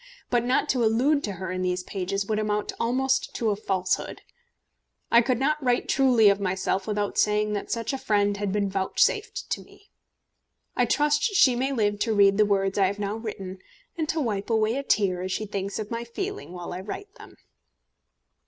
But not to allude to her in these pages would amount almost to a falsehood. I could not write truly of myself without saying that such a friend had been vouchsafed to me. I trust she may live to read the words I have now written, and to wipe away a tear as she thinks of my feeling while I write them.